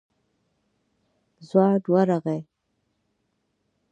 ځوان ورغی.